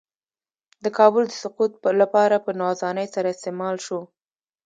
د کابل د سقوط لپاره په ناځوانۍ سره استعمال شو.